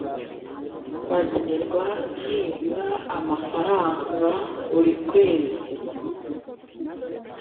bagenerwa nibura frw buri kwezi